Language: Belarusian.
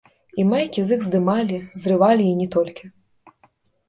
І майкі з іх здымалі, зрывалі і не толькі.